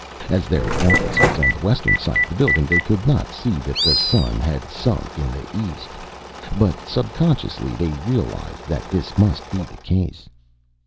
As their office was on the western side of the building they could not see that the sun had sunk in the east, but subconsciously they realized that this must be the case.